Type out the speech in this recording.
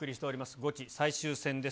ゴチ最終戦です。